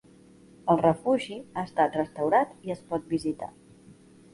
El refugi ha estat restaurat i es pot visitar.